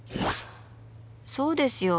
そうですよ。